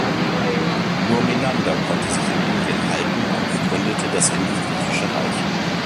Nur Menander konnte sich in Indien halten und begründete das Indo-Griechische Reich.